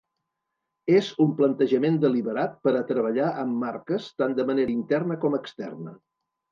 És un plantejament deliberat per a treballar amb marques, tant de manera interna com externa.